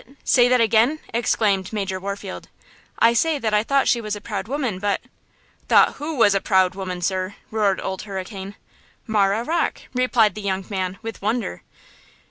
–say that again!" exclaimed Major Warfield. "I say that I thought she was a proud woman, but–" "Thought who was a proud woman, sir?" roared Old Hurricane. "Marah Rocke!" replied the young man, with wonder.